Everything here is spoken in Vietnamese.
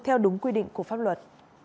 theo đúng quy định của pháp luật